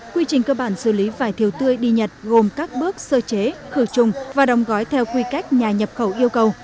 quy trình cơ bản xử lý vải thiều tươi đi nhật gồm các bước sơ chế khử trùng và đồng gói theo quy cách nhà nhập khẩu yêu cầu